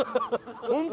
本当？